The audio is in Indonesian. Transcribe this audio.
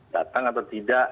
datang atau tidak